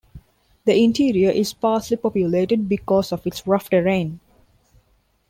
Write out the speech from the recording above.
The interior is sparsely populated because of its rough terrain.